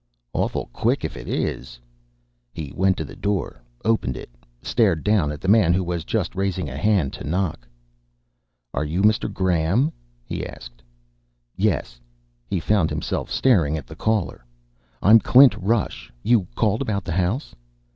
"Awful quick, if it is." He went to the door, opened it, stared down at the man who was just raising a hand to knock. "Are you Mr. Graham?" asked the man. "Yes." He found himself staring at the caller. "I'm Clint Rush. You called about the house?"